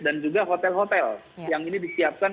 dan juga hotel hotel yang ini disiapkan